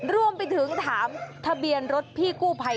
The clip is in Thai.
รวมไปถึงถามทะเบียนรถพี่กู้ภัย